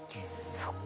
そっか。